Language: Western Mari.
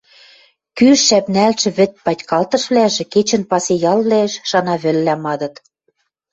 Кӱш шӓпнӓлтшӹ вӹд патькалтышвлӓжӹ кечӹн пасе ялвлӓэш шанавӹллӓ мадыт.